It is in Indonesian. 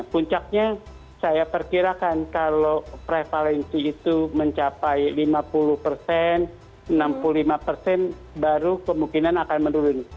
puncaknya saya perkirakan kalau prevalensi itu mencapai lima puluh persen enam puluh lima persen baru kemungkinan akan menurun